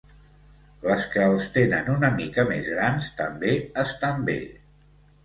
Les que els tenen una mica més grans també estan bé.